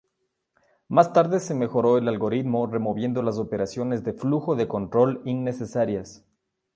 Más tarde se mejoró el algoritmo removiendo las operaciones de flujo de control innecesarias.